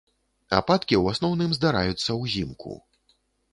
Ападкі ў асноўным здараюцца ўзімку.